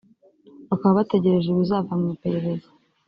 bakaba bategereje ibizava mu iperereza